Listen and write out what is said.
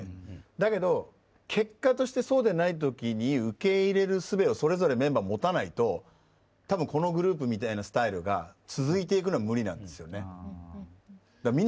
だけど結果としてそうでない時に受け入れるすべをそれぞれメンバー持たないと多分このグループみたいなスタイルが続いていくのは無理なんですよね。